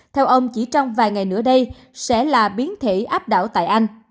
theo ông chỉ trong vài ngày nữa đây sẽ là biến thể áp đảo tại anh